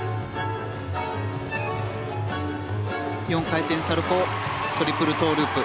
４回転サルコウトリプルトウループ。